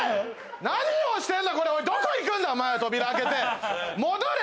何をしてんだこれどこ行くんだ扉開けて戻れ！